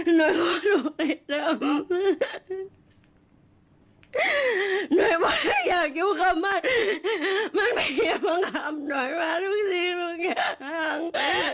หน่อยความรู้ให้จำหน่อยว่าอยากอยู่กับมันมันไม่อยากมาทำหน่อยมาทุกสิ่งทุกอย่าง